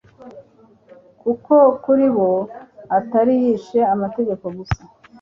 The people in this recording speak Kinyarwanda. Kuko kuri bo atari yishe amategeko gusa,